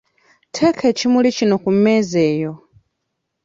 Teeka ekimuli kino ku mmeeza eyo.